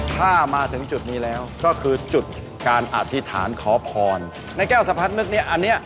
ถ้ามาถึงจุดนี้แล้วก็คือจุดการอธิษฐานขอพรในแก้วสารพัฒน์นึกนี้